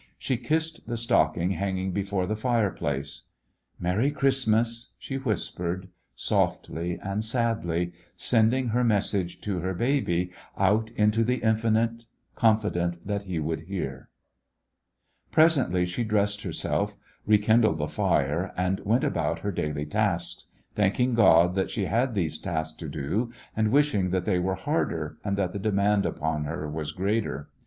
She kissed the stocking hanging before the fireplace. "Merry Christmas" she whispered, softly and sadly, sending her message to her baby out into the infinite, con fident that he would hear* The West Was Young Presently she dressed herself, re kindled the fire, and went about her daily tasks, thanking God that she had these tasks to do and wishing that they were harder and that the demand upon her was greater.